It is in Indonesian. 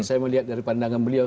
saya melihat dari pandangan beliau